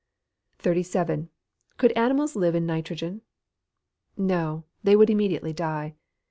37. Could animals live in nitrogen? No; they would immediately die.